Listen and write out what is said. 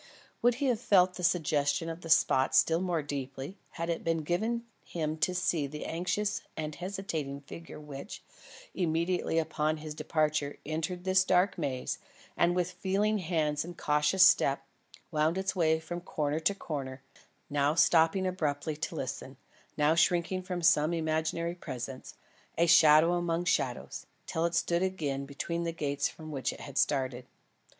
Would he have felt the suggestion of the spot still more deeply, had it been given him to see the anxious and hesitating figure which, immediately upon his departure entered this dark maze, and with feeling hands and cautious step, wound its way from corner to corner now stopping abruptly to listen, now shrinking from some imaginary presence a shadow among shadows till it stood again between the gates from which it had started.